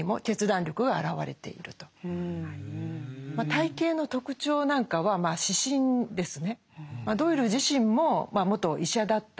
体形の特徴なんかはまあ視診ですね。